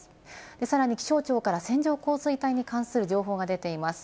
さらに気象庁から線状降水帯に関する情報が出ています。